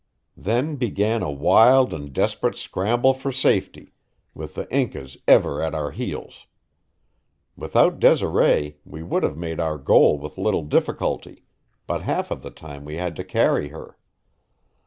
Then began a wild and desperate scramble for safety, with the Incas ever at our heels. Without Desiree we would have made our goal with little difficulty, but half of the time we had to carry her.